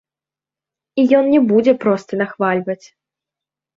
І ён не будзе проста нахвальваць.